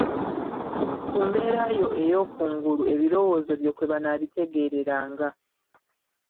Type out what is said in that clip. Ku mbeera yo ey'oku ngulu ebirowoozo byo kwe banaabitegeereranga.